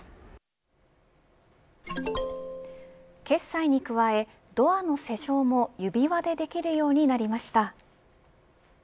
決済に加えドアの施錠も指輪でできるようになりました。